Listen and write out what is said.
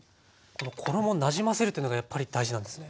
衣なじませるというのがやっぱり大事なんですね。